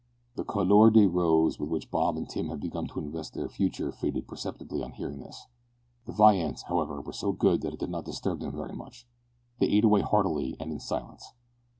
The couleur de rose with which Bob and Tim had begun to invest their future faded perceptibly on hearing this. The viands, however, were so good that it did not disturb them very much. They ate away heartily, and in silence.